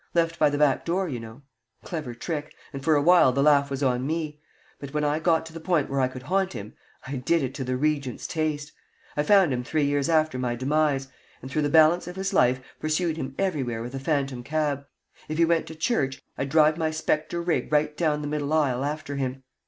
Left by the back door, you know. Clever trick, and for a while the laugh was on me; but when I got to the point where I could haunt him, I did it to the Regent's taste. I found him three years after my demise, and through the balance of his life pursued him everywhere with a phantom cab. If he went to church, I'd drive my spectre rig right down the middle aisle after him.